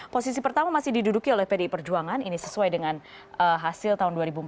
posisi pertama masih diduduki oleh pdi perjuangan ini sesuai dengan hasil tahun dua ribu empat belas